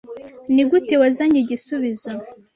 Nigute wazanye igisubizo?